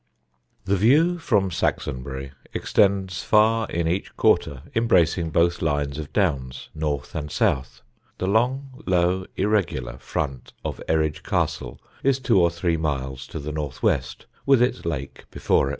The view from Saxonbury extends far in each quarter, embracing both lines of Downs, North and South. The long low irregular front of Eridge Castle is two or three miles to the north west, with its lake before it.